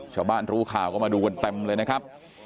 ชาวบ้านรู้ข่าวก็มาดูกันเต็มเลยนะครับ